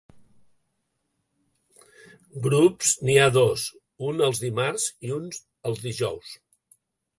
Grups, n'hi ha dos, un els dimarts i un els dijous.